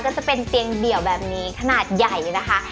ก็จะเป็นเตียงเดี่ยวแบบนี้ขนาดใหญ่นะคะ